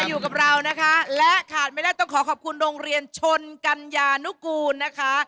อยู่กับเรานะคะและขาดไม่ได้ต้องขอขอบคุณโรงเรียนชนกัญญานุกูลนะคะ